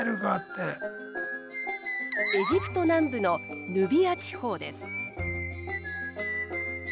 エジプト南部のヌビア地方です。